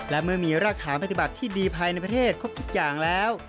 และเมื่อมีรากฐานปฏิบัติที่ดีภายในประเทศครบทุกอย่างแล้ว